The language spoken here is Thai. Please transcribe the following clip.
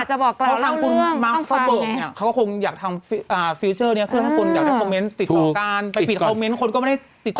จริงจริงค่ะ